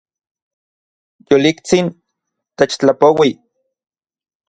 Yoliktsin techtlapoui